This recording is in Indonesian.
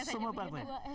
untuk semua partai